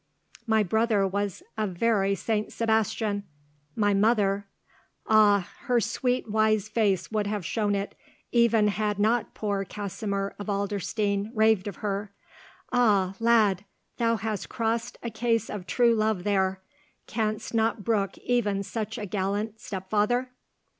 "My brother was a very St. Sebastian! My mother—" "Ah! her sweet wise face would have shown it, even had not poor Kasimir of Adlerstein raved of her. Ah! lad, thou hast crossed a case of true love there! Canst not brook even such a gallant stepfather?"